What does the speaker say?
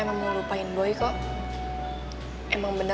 tapi reva butuh doa dari papi